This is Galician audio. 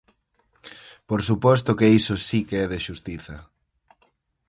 Por suposto que iso si que é de xustiza.